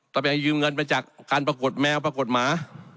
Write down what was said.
ไปยืมเงินไปจากการปรากฏแมวปรากฏหมา